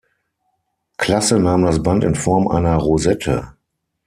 Klasse nahm das Band in Form einer Rosette.